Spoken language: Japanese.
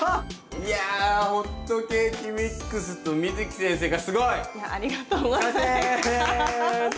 いやホットケーキミックスとＭｉｚｕｋｉ先生がすごい！いやありがとうございます。